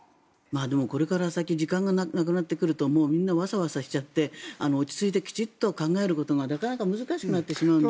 これから先時間がなくなってくるとみんなワサワサしちゃって落ち着いて考えることがなかなか難しくなってしまうので。